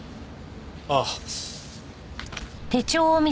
ああ。